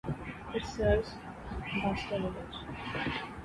It serves Basta village.